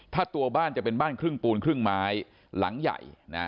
ถ้าตัวบ้านจะเป็นบ้านครึ่งปูนครึ่งไม้หลังใหญ่นะ